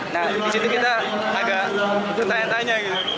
nah disitu kita agak tertanya tanya gitu